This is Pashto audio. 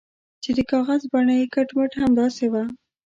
چې د کاغذ بڼه یې کټ مټ همداسې وه.